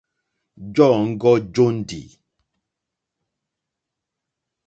Jɔǃ́ɔ́ŋɡɔ́ jóndì.